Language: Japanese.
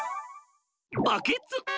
バケツ！